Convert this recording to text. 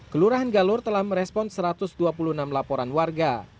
kelurahan galur telah merespon satu ratus dua puluh enam laporan warga